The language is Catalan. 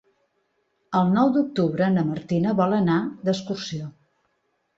El nou d'octubre na Martina vol anar d'excursió.